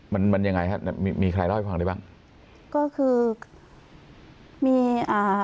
มันมันยังไงฮะมีมีใครเล่าให้ฟังได้บ้างก็คือมีอ่า